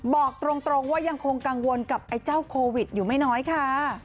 บอกตรงว่ายังคงกังวลกับไอ้เจ้าโควิดอยู่ไม่น้อยค่ะ